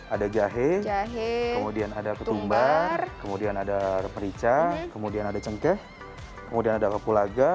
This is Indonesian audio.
ada jahe kemudian ada ketumbar kemudian ada merica kemudian ada cengkeh kemudian ada kapulaga